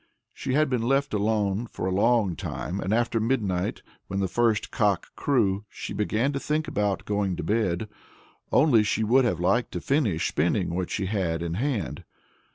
She had been left alone for a long time, and after midnight, when the first cock crew, she began to think about going to bed, only she would have liked to finish spinning what she had in hand.